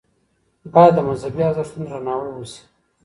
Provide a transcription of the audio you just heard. باید د مذهبي ارزښتونو درناوی وشي.